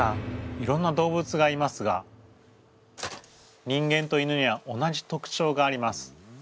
いろんな動物がいますが人間と犬には同じ特徴があります。